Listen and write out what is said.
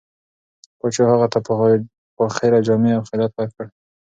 پاچا هغه ته فاخره جامې او خلعت ورکړ.